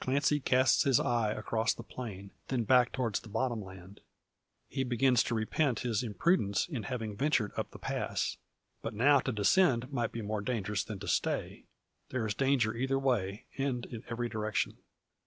Clancy casts his eye across the plain, then back towards the bottom land. He begins to repent his imprudence in having ventured up the pass. But now to descend might be more dangerous than to stay. There is danger either way, and in every direction.